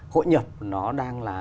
hội nhập nó đang là